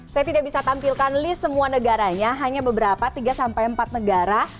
saya tidak bisa tampilkan list semua negaranya hanya beberapa tiga sampai empat negara